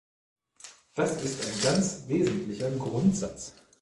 Das ist ein ganz wesentlicher Grundsatz.